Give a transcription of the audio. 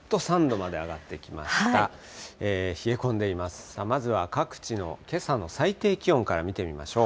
まずは各地のけさの最低気温から見てみましょう。